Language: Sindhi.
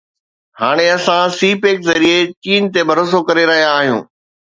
هاڻي اسان سي پيڪ ذريعي چين تي ڀروسو ڪري رهيا آهيون